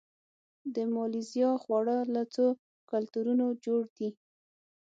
د مالیزیا خواړه له څو کلتورونو جوړ دي.